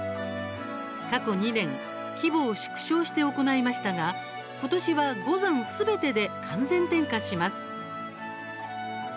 過去２年規模を縮小して行いましたがことしは五山すべてで完全点火します。